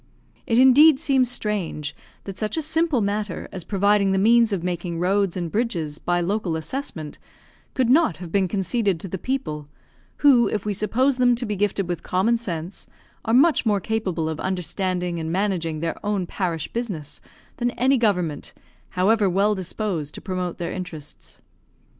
It indeed seems strange, that such a simple matter as providing the means of making roads and bridges by local assessment could not have been conceded to the people, who, if we suppose them to be gifted with common sense, are much more capable of understanding and managing their own parish business, than any government, however well disposed to promote their interests.